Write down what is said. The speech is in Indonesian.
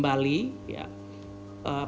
dan bangkit kembali